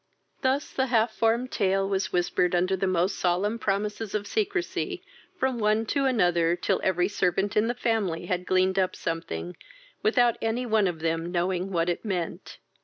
Thus the half formed tale was whispered under the most solemn promises of secresy from one to another, till every servant in the family had gleaned up something, without any one of them knowing what it meant.